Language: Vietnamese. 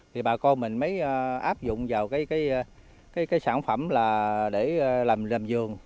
thì bà con mình mới áp dụng vào cái sản phẩm là để làm giường